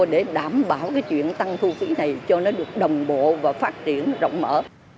để đảm bảo cái chuyện tăng thu phí này cho nó được đồng bộ và phát triển rộng mở